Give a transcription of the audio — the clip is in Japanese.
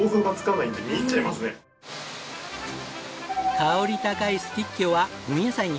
香り高いスティッキオは温野菜に。